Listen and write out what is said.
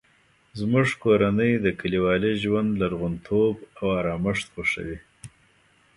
زموږ کورنۍ د کلیوالي ژوند لرغونتوب او ارامښت خوښوي